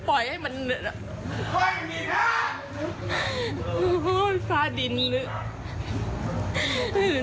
โอ้โฮพ่อดินลึก